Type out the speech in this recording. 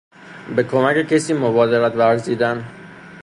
به کمک کسی مبادرت ورزیدن